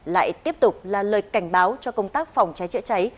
lại tiếp tục là lời cảnh báo cho công tác phòng cháy chữa cháy